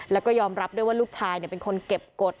แล้วก็ยอมรับด้วยว่าลูกชายเป็นคนเก็บกฎ